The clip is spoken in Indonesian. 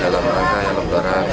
dalam rangka yang lemparan